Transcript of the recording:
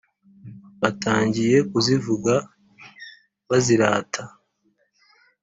batangiye kuzivuga bazirata